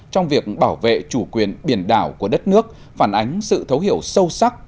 trong việc bảo vệ chủ quyền biển đảo của đất nước phản ánh sự thấu hiểu sâu sắc